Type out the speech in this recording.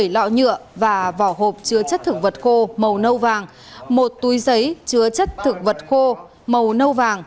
bảy lọ nhựa và vỏ hộp chứa chất thực vật khô màu nâu vàng một túi giấy chứa chất thực vật khô màu nâu vàng